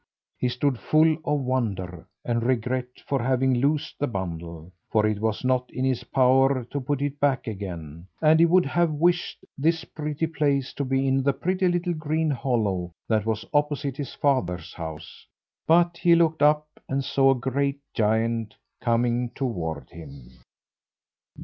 He stood full of wonder and regret for having loosed the bundle for it was not in his power to put it back again and he would have wished this pretty place to be in the pretty little green hollow that was opposite his father's house; but he looked up and saw a great giant coming towards him.